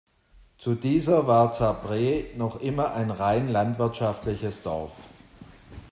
Zu dieser war Zábřeh noch immer ein rein landwirtschaftliches Dorf.